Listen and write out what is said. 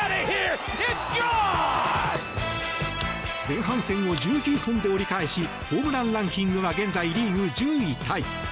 前半戦を１９本で折り返しホームランランキングは現在リーグ１０位タイ。